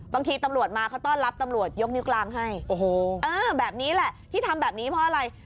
บางทีตำรวจมาเขาต้อนรับตำรวจยกนิ้วกลางให้โอ้โหเออแบบนี้แหละที่ทำแบบนี้เพราะอะไร